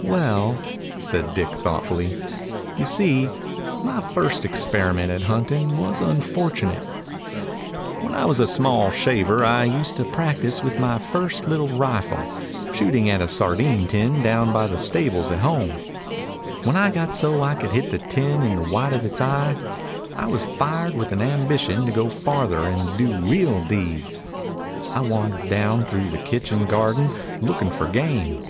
"Well," said Dick thoughtfully, "you see, my first experiment at hunting was unfortu nate. When I was a small shaver I used to practise with my first little rifle, shooting at a sardine tin down by the stables at home. When I got so I could hit the tin in the white 185 DOG HEROES OF MANY LANDS of its eye, I was fired with an ambition to go farther and do real deeds. "I wandered down through the kitchen gar den, looking for game.